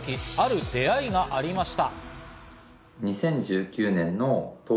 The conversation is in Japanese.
そんな時、ある出会いがありました。